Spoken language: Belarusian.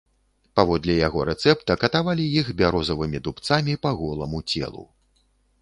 Паводле яго рэцэпта катавалі іх бярозавымі дубцамі па голаму целу.